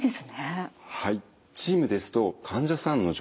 はい。